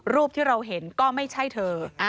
รูปที่เราเห็นก็ไม่ใช่เธอ